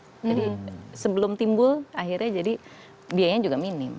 jadi sebelum timbul akhirnya jadi biayanya juga minim